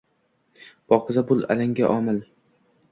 Pokiza bu alanga omil